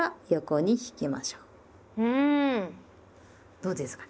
どうですかね。